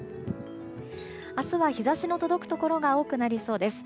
明日は日差しの届くところが多くなりそうです。